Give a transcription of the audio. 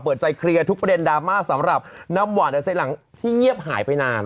ใจเคลียร์ทุกประเด็นดราม่าสำหรับน้ำหวานไซหลังที่เงียบหายไปนาน